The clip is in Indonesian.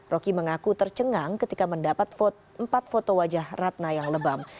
roky mengaku tercengang ketika mendapat empat foto wajah ratna yang lebam